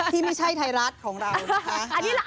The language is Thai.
ที่ไม่ใช่ไทยรัฐของเรา